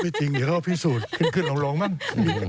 ไม่จริงเดี๋ยวเขาพิสูจน์ขึ้นขึ้นหลงมั้ง